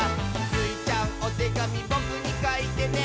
「スイちゃん、おてがみぼくにかいてね」